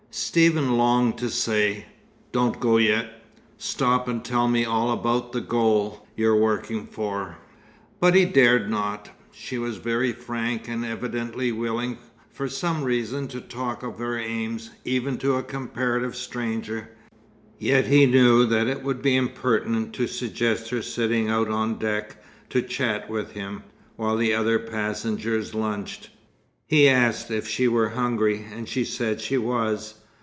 Stephen longed to say, "Don't go yet. Stop and tell me all about the 'goal' you're working for." But he dared not. She was very frank, and evidently willing, for some reason, to talk of her aims, even to a comparative stranger; yet he knew that it would be impertinent to suggest her sitting out on deck to chat with him, while the other passengers lunched. He asked if she were hungry, and she said she was.